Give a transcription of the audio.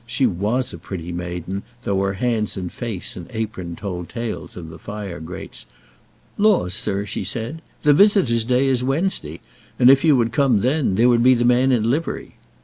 She was a pretty maiden, though her hands and face and apron told tales of the fire grates. "Laws, sir," she said, "the visitors' day is Wednesday; and if you would come then, there would be the man in livery!"